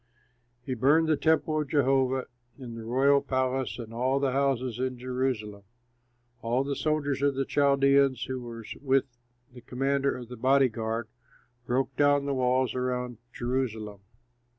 He burned the temple of Jehovah and the royal palace and all the houses in Jerusalem. All the soldiers of the Chaldeans, who were with the commander of the body guard, broke down the walls around Jerusalem.